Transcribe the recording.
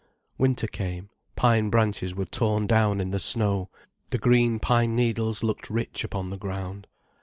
Winter came, pine branches were torn down in the snow, the green pine needles looked rich upon the ground.